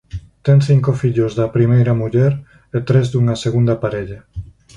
Ten cinco fillos da primeira muller e tres dunha segunda parella.